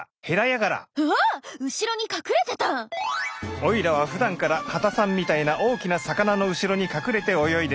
オイラはふだんから畑さんみたいな大きな魚の後ろに隠れて泳いで。